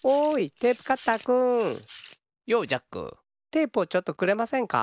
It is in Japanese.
テープをちょっとくれませんか？